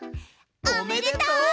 おめでとう！